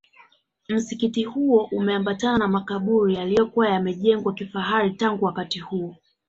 Msikiti huo umeambatana na makaburi yaliyojengwa kifahari tangu wakati huo